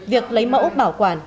việc lấy mẫu bảo quản